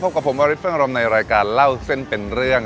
กับผมวาริสเฟิงอารมณ์ในรายการเล่าเส้นเป็นเรื่อง